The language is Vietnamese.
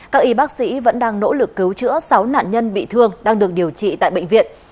các y bác sĩ vẫn đang nỗ lực cứu chữa sáu nạn nhân bị thương đang được điều trị tại bệnh viện